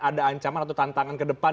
ada ancaman atau tantangan ke depan